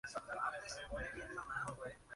Luego se interesó en la lingüística computacional.